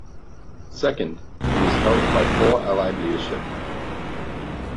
Second, he was helped by poor Allied leadership.